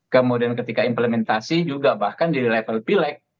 kemudian ketika implementasi juga bahkan di level pileg